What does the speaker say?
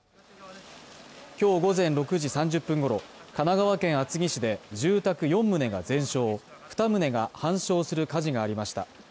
今日午前６時３０分ごろ、神奈川県厚木市で住宅４棟が全焼、２棟が半焼する火事がありました。